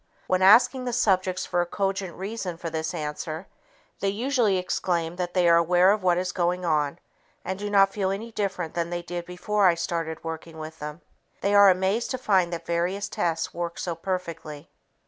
When asking the subjects for a cogent reason for this answer, they usually exclaim that they are aware of what is going on and do not feel any different than they did before I started working with them. They are amazed to find that various tests work so perfectly.